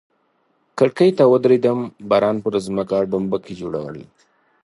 کړکۍ ته ودریدم، باران پر مځکه ډومبکي جوړول.